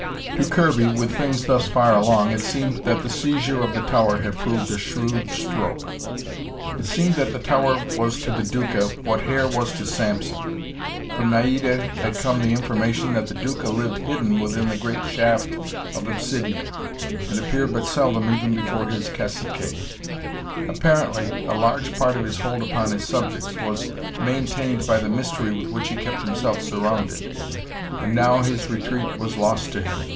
To Kirby, with things thus far along, it seemed that the seizure of the tower had proved a shrewd stroke. It seemed that the tower was to the Duca what hair was to Sampson. From Naida had come the information that the Duca lived hidden within the great shaft of obsidion, and appeared but seldom even before his caciques. Apparently a large part of his hold upon his subjects was maintained by the mystery with which he kept himself surrounded. And now his retreat was lost to him!